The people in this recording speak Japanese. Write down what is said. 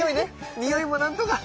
においもなんとか伝われ。